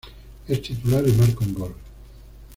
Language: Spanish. Es titular y marca un gol.